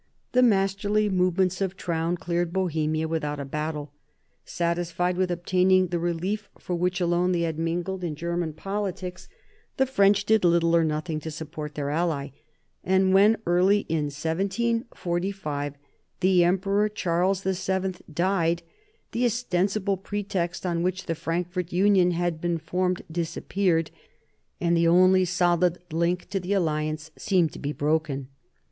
"The masterly movements of Traun cleared Bohemia without a battle. Satisfied with obtaining the. relief for which alone they had mingled in German politics, the French did little or nothing to support their ally. And when, early in 1745, the Emperor Charles VII. died, the ostensible pretext on which the Frankfort union had been formed disappeared, and the only solid link in the alliance seemed to be broken.